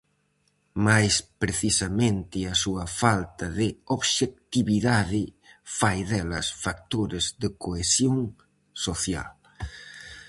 Mais precisamente a súa falta de obxectividade fai delas factores de cohesión social.